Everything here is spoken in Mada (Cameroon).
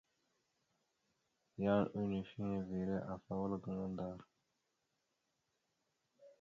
Yan unifiŋere afa wal gaŋa ndar.